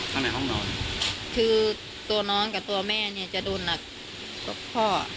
ข้างในห้องนอนคือตัวน้องกับตัวแม่เนี่ยจะโดนหนักกว่าพ่อ